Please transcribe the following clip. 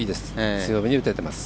強めに打てています。